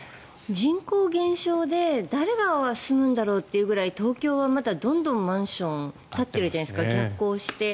人口減少で誰が住むんだろうというぐらい東京はまだどんどんマンションが建ってるじゃないですか逆行して。